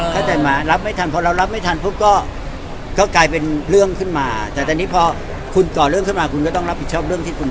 เข้าใจมารับไม่ทันพอเรารับไม่ทันปุ๊บก็กลายเป็นเรื่องขึ้นมาแต่ตอนนี้พอคุณก่อเรื่องขึ้นมาคุณก็ต้องรับผิดชอบเรื่องที่คุณ